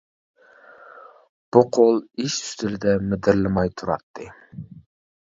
بۇ قول ئىش ئۈستىلىدە مىدىرلىماي تۇراتتى.